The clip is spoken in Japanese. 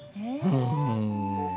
うん。